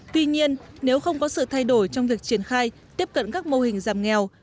tuy nhiên nếu không có sự thay đổi trong việc triển khai tiếp cận các mô hình giảm nghèo